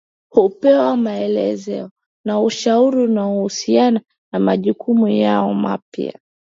hupewa maelekezo na ushauri unaohusiana na majukumu yao mapya